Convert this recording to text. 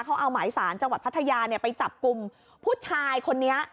เขาเอาหมายสารจังหวัดพัทยาไปจับกลุ่มผู้ชายคนนี้